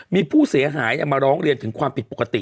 มีผู้เสียหายมาร้องเรียนถึงความผิดปกติ